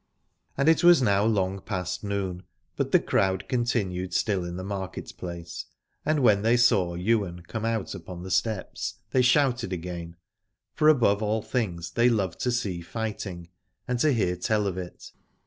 And it was now long past noon, but the crowd continued still in the market place, and when they saw Ywain come out upon the steps they shouted again : for above all things they loved to see fighting and to hear tell of it.